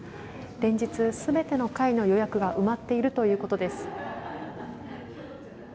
連日、全ての回の予約が埋まっているということです。